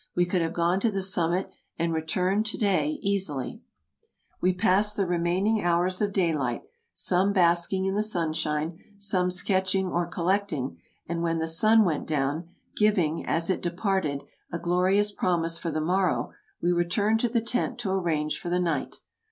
We could have gone to the summit and returned to day easily !" We passed the remaining hours of daylight — some bask ing in the sunshine, some sketching or collecting — and when the sun went down, giving, as it departed, a glorious prom ise for the morrow, we returned to the tent to arrange for the night.